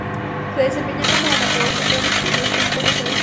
Se desempeñaba como marcador central y su primer club fue Rosario Central.